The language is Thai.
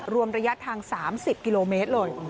รวมระยะทาง๓๐กิโลเมตรเลย